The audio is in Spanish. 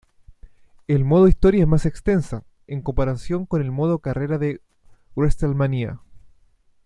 El modo historia es más extensa, en comparación con el modo carrera de WrestleMania.